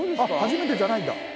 初めてじゃないんだ。